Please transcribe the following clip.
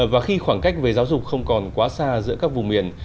và khi khoảng cách về giáo dục không còn quá xa giữa các vùng miền